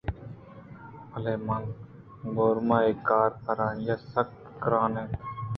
بلے ماں گورُم ءَ اے کار پرآئی ءَ سکّ گرٛان اَت